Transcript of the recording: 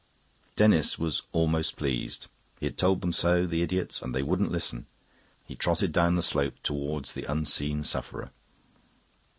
Denis was almost pleased; he had told them so, the idiots, and they wouldn't listen. He trotted down the slope towards the unseen sufferer.